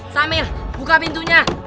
jangan takut lah